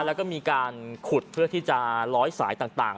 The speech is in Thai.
แล้วก็มีการขุดเพื่อที่จะร้อยสายต่าง